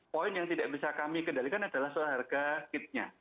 poin yang tidak bisa kami kendalikan adalah soal harga kitnya